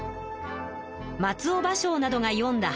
松尾芭蕉などがよんだ